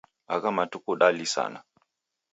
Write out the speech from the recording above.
Agha matuku dalisana.